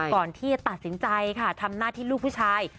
ก่อนที่จะตัดสินใจค่ะทำหน้าที่ลูกผู้ชาย